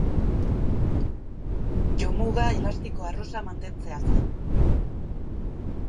Jomuga elastiko arrosa mantentzea zen.